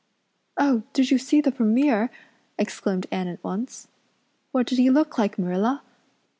"Oh, did you see the Premier?" exclaimed Anne at once. "What did he look like Marilla?"